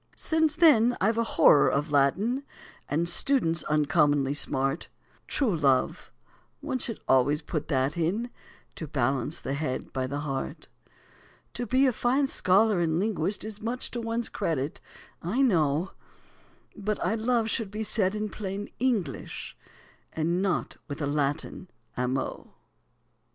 Since then I've a horror of Latin, And students uncommonly smart; True love, one should always put that in, To balance the head by the heart. To be a fine scholar and linguist Is much to one's credit, I know, But "I love" should be said in plain English, And not with a Latin "amo."